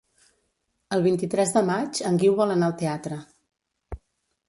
El vint-i-tres de maig en Guiu vol anar al teatre.